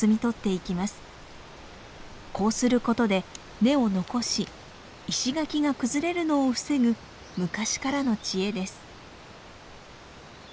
こうすることで根を残し石垣が崩れるのを防ぐ昔からの知恵です。